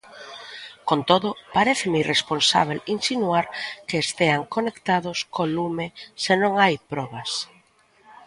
Con todo, paréceme irresponsábel insinuar que estean conectados co lume se non hai probas.